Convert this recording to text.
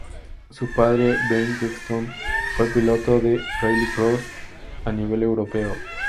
Su padre, Bengt Ekström, fue piloto de rallycross a nivel europeo.